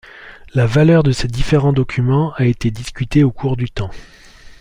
La valeur de ces différents documents a été discutée au cours du temps.